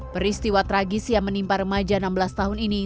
peristiwa tragis yang menimpa remaja enam belas tahun ini